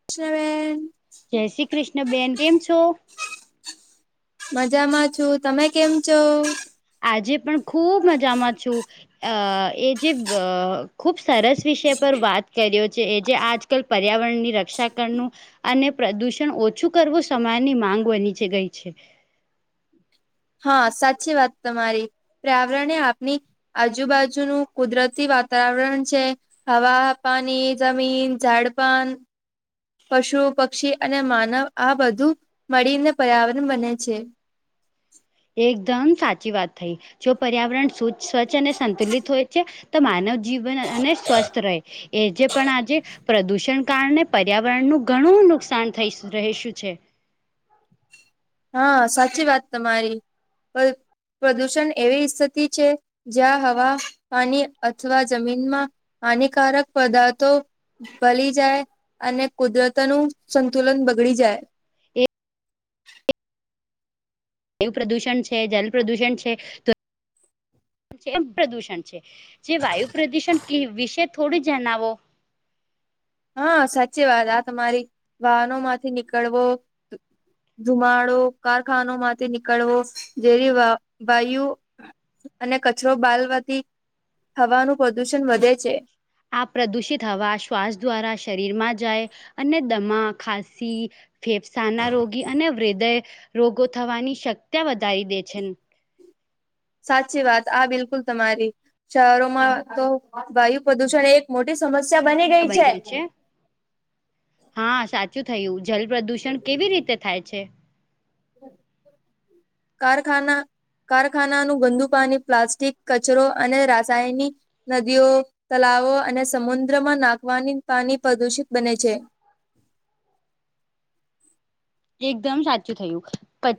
[unintelligible] જય શ્રી કૃષ્ણ બેન કેમ છો મજામાં છું તમે કેમ છો આજે પણ ખુબ મજામાં છું અ એ જે અ ખુબ સરસ વિષય પર વાત કર્યો છે એ જે આજકાલ પર્યાવરણની રક્ષા કરનું અને પ્રદૂષણ ઓછું કરવું સમાયની માંગ બનીચ ગઈ છે. હા સાચી વાત તમારી પ્રાવરને આપની આજુબાજુનું કુદરતી વાતાવરણ છે. હવા, પાણી, જમીન ઝાડપાન પશુ, પક્ષી અને માનવ આ બધું મળીને પર્યાવરણ બને છે. એકદમ સાચી વાત થઈ જો પર્યાવરણ સ્વચ્છ અને સંતુલિત હોય છે તો માનવ જીવન અને સ્વસ્થ રહે એ જે પણ આજે પ્રદુષણ કારણે પર્યાવરણનું ઘણું નુકસાન થઈ રહેશું છે. હા સાચી વાત તમારી પ્રદુષણ એવીસ્થિતિ છે-' જ્યાં હવા, પાણી અથવા જમીનમાં હાનિકારક પદાર્થો ભલી જાય અને કુદરત નું સંતુલન બગડી જાય એ વાયુ પ્રદુષણ છે જલ પ્રદુષણ છે તો એમ પ્રદુષણ છે જે વાયુ પ્રદુષણ વિશે થોડું જણાવો. હા સાચી વાત આ તમારી વાહનો માંથી નીકળવો ધુમાડો કારખાનોમાંથી નીકળવો જે વા વાયુ અને કચરો બાળવાથી હવાનું પ્રદુષણ વધે છે. આ પ્રદૂષિત હવા શ્વાસ દ્વારા શરીર માં જાય અને દમા, ખાંસી ફેફસાના રોગી અને હૃદય રોગો થવાની શક્ય વધારી દે છે. સાચી વાત આ બિલકુલ તમારી શહેરોમાં તો વાયુ પ્રદુષણ એક મોટી સમસ્યા બની ગઈ છે. હા સાચું થયું જલ પ્રદુષણ કેવી રીતે થાય છે.? કારખાના કારખાનાનું ગંદુ પાણી પ્લાસ્ટિક કચરો અને રાસાયણિક નદીઓ તલાવો અને સમુદ્રમાં નાખવાની પાણી પ્રદુષિત બને છે. એકદમ સાચું થયું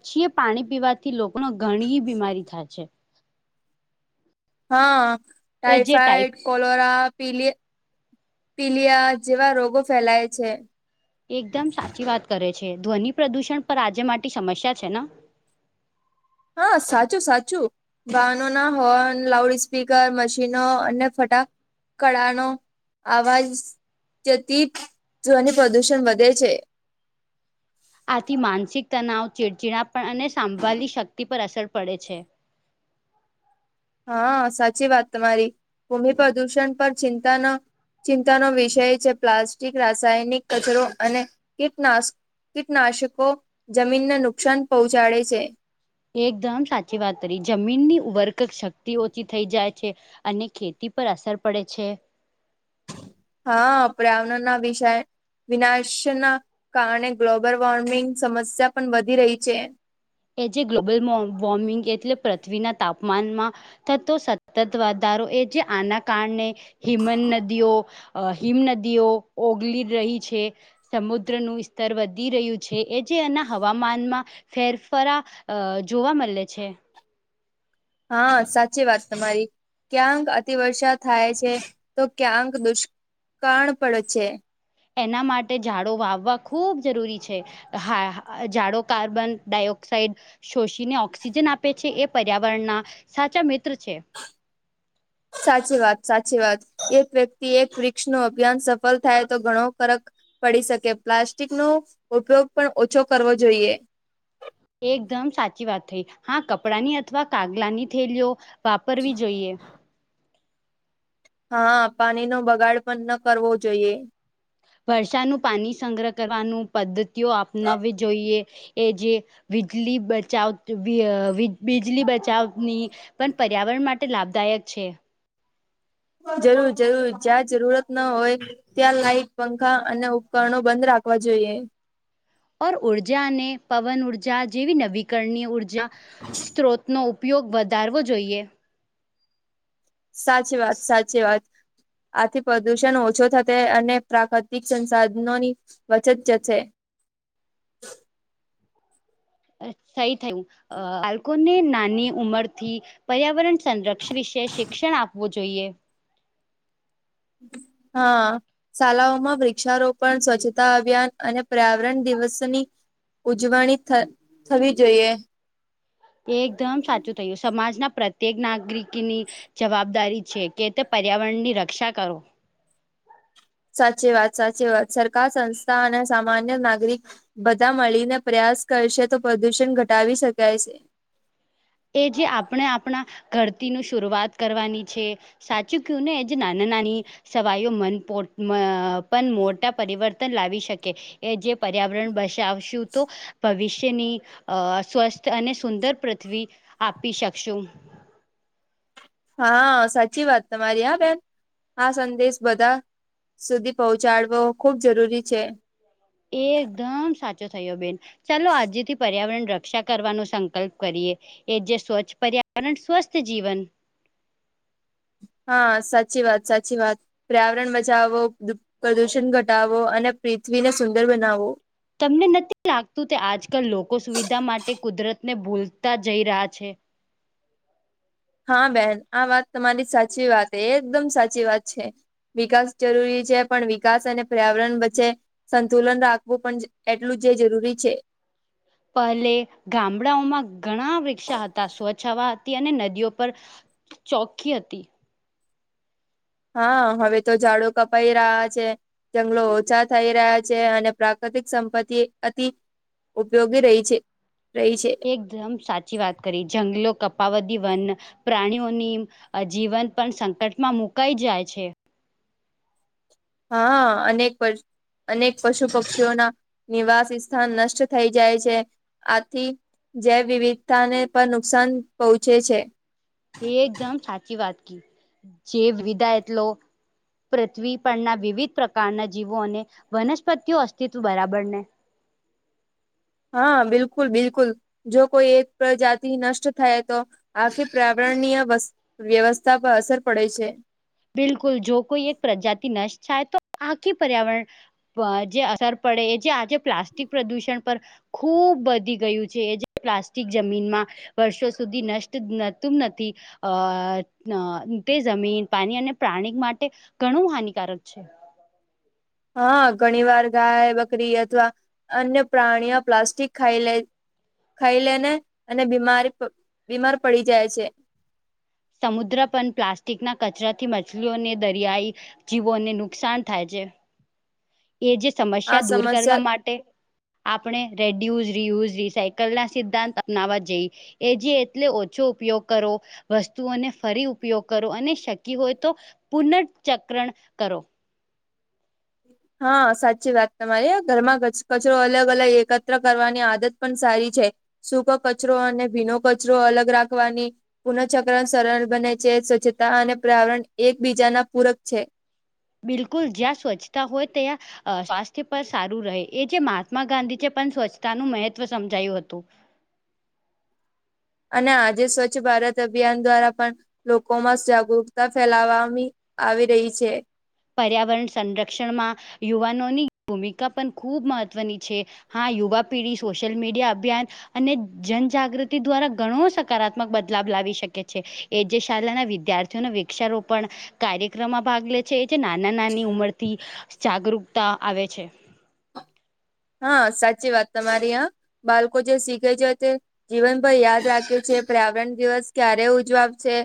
પછી એ પાણી પીવાથી લોકોને ઘણી બીમારી થાય છે. હા એ જે ટાઈપ ટાઈફાઈડ કોલોરા, પીલી પીલીયા, જેવા રોગો ફેલાય છે એકદમ સાચી વાત કરે છે ધ્વનિ પ્રદૂષણ પર આજે માટી સમસ્યા છે ને? હા સાચું સાચું, વાહનોના હોર્ન, લાઉડ સ્પીકર, મશીનો અને ફટાક, કડાનો આવાજ જતી ધ્વનિ પ્રદુષણ વધે છે. આથી માનસિક તનાવ, ચીડચીડા પણ અને સાંભળલી શક્તિ પર અસર પડે છે. હા સાચી વાત તમારી, ભૂમિ પ્રદૂષણ પર ચિંતા નો ચિંતાનો વિષય છે પ્લાસ્ટિક, રાસાયણિક કચરો અને કીટનાશક કીટનાશકો જમીનને નુકસાન પહોંચાડે છે. એકદમ સાચી વાત કરી જમીનની ઉબરક શક્તિ ઓછી થઈ જાય છે. અને ખેતી પર અસર પડે છે. હા આપડ આવના ના વિષય વિનાશ ના કારણે ગ્લોબલ વોર્મિંગ સમસ્યા પણ વધી રહી છે. કે જે ગ્લોબલ વોર્મિંગ એટલે પૃથ્વીના તાપમાનમાં, થતો સતત વધારો એ જે આના કારણે હિમન નદીઓ અ હિમ નદીઓ ઓગલી રહી છે. સમુદ્રનું સ્તર વધી રહ્યું છે. એ જે એના હવામાનમાં ફેર ફરા અ જોવા મળે છે. હા સાચી વાત તમારી. ક્યાંક અતિવર્ષા થાય છે તો, ક્યાંક દુષ્કાળ પડે છે. એના માટે ઝાડો વાવવા ખૂબ જરૂરી છે. હા જાડો કાર્બન ડાયઓક્સાાઈડ, શોષીને ઓક્સિજન આપે છે, એ પર્યાવરણના સાચા મિત્ર છે. સાચી વાત સાચી વાત એક વ્યક્તિ એક વૃક્ષનું અભિયાન સફળ થાય તો ઘણો ફરક પડી શકે, પ્લાસ્ટિક નો ઉપયોગ પણ ઓછો કરવો જોઈએ. એકદમ સાચી વાત થઈ હા કપડાંની અથવા કાગલાની થેલીઓ વાપરવી જોઈએ. હા પાણીનો બગાડ પણ ન કરવો જોઈએ. વર્ષાનું પાણી સંગ્રહ કરવાનું પદ્ધતિઓ અપનાવી જોઈએ. એ જે વીજળી બચાવ વીજળી બચાવની પણ પર્યાવરણ માટે લાભદાયક છે. જરૂર જરૂર જ્યાં જરૂરત ના હોય ત્યાં લાાઈટ પંખા અને ઉપકરણો બંધ રાખવા જોઈએ. પર ઉર્જા અને પવન ઉર્જા જેવી નવીકરણીય ઉર્જા સ્ત્રોતનો ઉપયોગ વધારવો જોઈએ. સાચી વાત સાચી વાત. આથી પ્રદુષણ ઓછો થશે અને પ્રાકૃતિક સંસાધનોની વચત જશે. સહી થયું અ આલ્કોને નાની ઉંમર થી પર્યાવરણ સંરક્ષણ વિશે શિક્ષણ આપવું જોઈએ. હા. શાળાઓમાં વૃક્ષારોપણ સ્વચ્છતા અભિયાન અને પર્યાવરણ દિવસની ઉજવણી થ થવી જોઈએ. એ એકદમ સાચું થયું સમાજના પ્રત્યેક નાગરિકની જવાબદારી છે કે તે પર્યાવરણની રક્ષા કરો. સાચી વાત સાચી વાત સરકાર સંસ્થા અને સામાન્ય નાગરિક બધા મળીને પ્રયાસ કરશે તો પ્રદુષણ ઘટાવી શકાય છે. એ જે આપણે આપણા ઘરતીનું શરૂઆત કરવાની છે. સાચું કું ને એજ નાના નાની સવાયો મનપ પણ મોટા પરિવર્તન લાવી શકે. એ જે પર્યાવરણ બશાવશું તો. ભવિષ્યની અ સ્વસ્થ અને સુંદર પૃથ્વી આપી શકશું. હા સાચી વાત તમારી આ બેન આ સંદેશ બધા સુધી પહોંચાડવો ખુબ જરૂરી છે. એ એકદમ સાચો થયો બેન ચાલો આજે થી પર્યાવરણ રક્ષા કરવાનો સંકલ્પ કરીએ એ જે સ્વચ્છ પર્યાવરણ સ્વસ્થ જીવન. હા સાચી વાત સાચી વાત. પર્યાવરણ બચાવો પ્રદૂષણ ઘટાવો અને પૃથ્વીને સુંદર બનાવો. તમને નથી લાગતું કે આજકાલ લોકો સુવિધા માટે કુદરત ને ભૂલતા જઈ રહ્યા છે. હા બેન આ વાત તમારી સાચી વાત એકદમ સાચી વાત છે. વિકાસ જરૂરી છે પણ વિકાસ અને પર્યાવરણ વચ્ચે સંતુલન રાખવું પણ એટલું જરૂરી છે. પહેલે ગામડાઓમાં ઘણા વૃક્ષા હતા સ્વ્છ હવા હતી અને નદીઓ પર ચોકી હતી. હા હવે તો ઝાડુ કપાઈ રહ્યા છે. જંગલો ઓછા થઈ રહ્યા છે અને પ્રાકૃતિક સંપત્તિ અતિ ઉપયોગી રહી છે રહી છે. એકદમ સાચી વાત કરી જંગલો કપાવદી વન પ્રાણીઓની જીવન પણ સંકટમાં મુકાઈ જાય છે. હા અનેક વર્ષ અનેક પશુ પક્ષીઓના નિવાસ સ્થાન નષ્ટ થઈ જાય છે. આથી જેૈવવિવિધતાને પણ નુકસાન પહોંચે છે. એ એકદમ સાચી વાત ક જે વિદા એટલો પૃથ્વી પરના વિવિધ પ્રકારના જીવો અને વનસ્પતિઓ અસ્તિત્વ બરાબરને હા બિલકુલ બિલકુલ. જો કોઈ એક પ્રજાતિ નષ્ટ થાય તો આખી પ્રવરય વસ્ વ્યવસ્થા પર અસર પડે છે. બિલકુલ જો કોઈ એક પ્રજાતિ નષ્ટ થાય તો આખી પર્યાવરણ જે અસર પડે એ જે આજે પ્લાસ્ટિક પ્રદુષણ પર ખૂબ વધી ગયું છે એ જે પ્લાસ્ટિક જમીનમાં વર્ષો સુધી નષ્ટ નતું નથી અ તે જમીન પાણી અને પ્રાણી માટે ઘણું હાનિકારક છે. હા ઘણી વાર ગાય બકરી અથવા અન્ય પ્રાણીઓ પ્લાસ્ટિક ખાઈ લે ખાઈ લેને અને બીમારી બીમાર પડી જાય છે. સમુદ્ર પણ પ્લાસ્ટિક ના કચરા થી મછલીઓને દરિયાઈ જીવોને નુકસાન થાય છે. એ જે સમસ્યા દૂર કરવા માટે આપણે રેડયુઝ રિયુઝ રિસાાયકલ ના સિદ્ધાંત અપનાવવા જઈએ એ જે એટલે ઓછો ઉપયોગ કરો વસ્તુઓને ફરી ઉપયોગ કરો અને શકી હોય તો પુનર્ચક્રણ કરો. હા સાચી વાત તમારી ઘરમાં કચરો અલગ અલગ એકત્ર કરવાની આદત પણ સારી છે. સૂક કચરો અને ભીનો કચરો અલગ રાખવાની પુનઃચક્ર સરળ બને છે. સ્વચ્છતા અને પરવરણ એકબીજાના પૂરક છે. બિલકુલ જ્યાં સ્વચ્છતા હોય ત્યાં સ્વાસ્થ્ય પર સારું રહે એ જે મહાત્મા ગાંધી જે પણ સ્વચ્છતાનું મહત્વ સમજાયું હતું. અને આજે સ્વચ્છ ભારત અભિયાન દ્વારા પણ લોકો માં જાગૃકતા ફેલાવાવામાં આવી રહી છે. પર્યાવરણ સંરક્ષણમાં યુવાનોની ભૂમિકા પણ ખૂબ મહત્ત્વની છે. હા યુવા પીઢી સોશિયલ મીડિયા અભિયાન અને જનજાગૃતિ દ્વારા ઘણો સકારાત્મક બદલાવ લાવી શકે છે. એ જે શાળાના વિદ્યાર્થીઓ વૃક્ષારોપણ કાર્યક્રમમાં ભાગ લે છે જે નાના નાની ઉંમર થી જાગૃકતા આવે છે. હા સાચી વાત તમારી આ બાળકો જે શીખે છે તે જીવન પર યાદ રાખ્યું છે પર્યાવરણ દિવસ ક્યારે ઉજવાવશે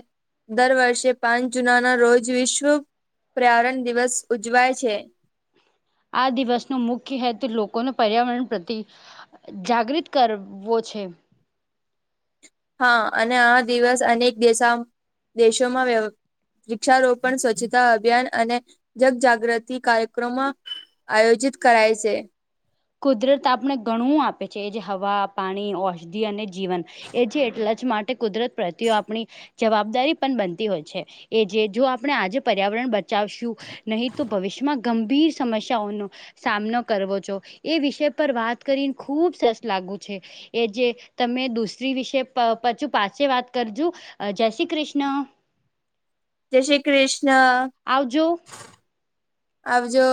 દર વર્ષે પાંચ જુન ના રોજ વિશ્વ પર્યાવરણ દિવસ ઉજવાય છે. આ દિવસનો મુખ્ય હેતુ લોકોને પર્યાવરણ પ્રતિ જાગૃત કરવો છે. હા અને આ દિવસ અનેક દેશ દેશોમાં વ્ય વૃક્ષારોપણ સ્વચ્છતા અભિયાન અને જગજાગૃતિ કાર્યક્રમો આયોજિત કરાય છે. કુદરત આપણે ઘણું આપે છે એ જે હવા પાણી ઔષધિ અને જીવન. એ જે એટલા જ માટે કુદરત પ્રતિઓ આપણી જવાબદારી પણ બનતી હોય છે એ જે જો આપણે આજે પર્યાવરણ ચાવશું નહીં તો ભવિષ્યમાં ગંભીર સમસ્યાઓનો સામનો કરવો જો એ વિષય પર વાત કરીને ખૂબ સરસ લાગુ છે. એ જે તમે દૂસરી વિશે પછું પાછ વાત કરજો જય શ્રી કૃષ્ણ. જય શ્રી કૃષ્ણ. આવ જો. આવ જો.